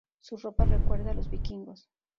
Su ropa recuerda a los Vikingos.